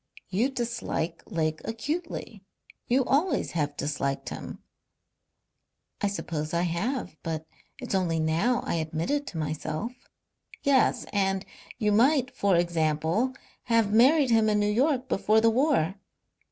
"You dislike Lake acutely. You always have disliked him." "I suppose I have. But it's only now I admit it to myself." "Yes. And you might, for example, have married him in New York before the war."